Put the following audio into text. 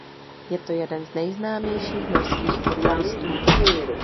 Je to jeden z nejznámějších norských fotbalistů.